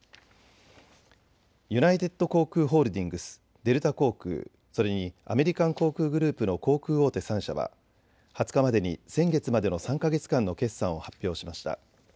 ユナイテッド航空ホールディングス、デルタ航空、それにアメリカン航空グループの航空大手３社は２０日までに先月までの３か月間の決算を発表しました。